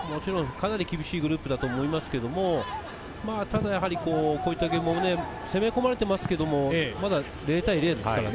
かなり厳しいグループだと思いますが、こういったゲームを攻め込まれていますけれど、まだ０対０です。